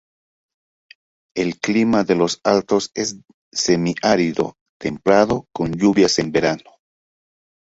El clima de Los Altos es semiárido templado con lluvias en verano.